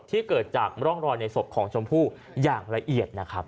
ที่เกิดจากร่องรอยในศพของชมพู่อย่างละเอียดนะครับ